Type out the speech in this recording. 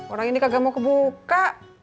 orang ini kagak mau kebuka